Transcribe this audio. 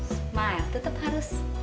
senyum tetap harus